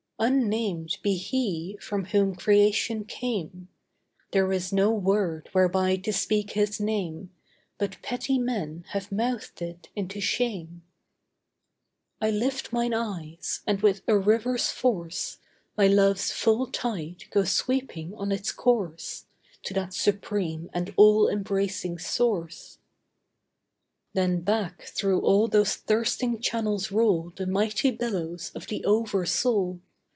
Unnamed be HE from whom creation came; There is no word whereby to speak His name But petty men have mouthed it into shame. I lift mine eyes, and with a river's force My love's full tide goes sweeping on its course To that supreme and all embracing Source. Then back through all those thirsting channels roll The mighty billows of the Over Soul.